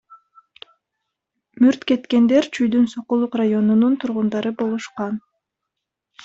Мүрт кеткендер Чүйдүн Сокулук районунун тургундары болушкан.